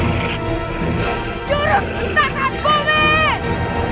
yurus entah entah comit